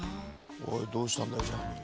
おいどうしたんだよジャーニー。